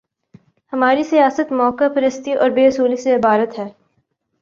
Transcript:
ہماری سیاست موقع پرستی اور بے اصولی سے عبارت ہے۔